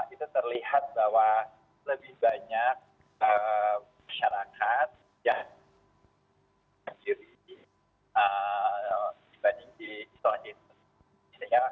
itu terlihat bahwa lebih banyak masyarakat yang menjuri dibanding di situasi ini